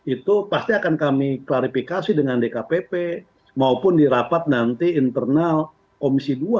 itu pasti akan kami klarifikasi dengan dkpp maupun di rapat nanti internal komisi dua